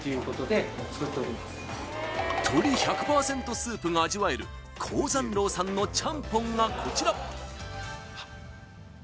スープが味わえる江山楼さんのちゃんぽんがこちらはっ